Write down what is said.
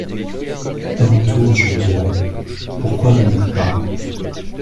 À mon tour, je vous dirai : Pourquoi donc pas ?